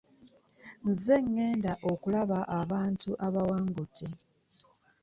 Nze agenda okulaba abantu abawangude.